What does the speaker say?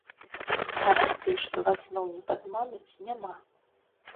Гарантыі, што вас зноў не падмануць, няма.